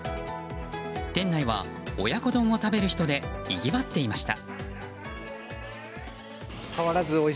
店内は、親子丼を食べる人でにぎわっていました。